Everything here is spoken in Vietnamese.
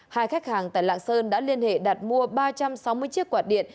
hai khách hàng tại lạng sơn đã liên hệ đặt mua ba trăm sáu mươi chiếc quạt điện